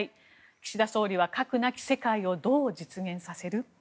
岸田総理は核なき世界をどう実現させる？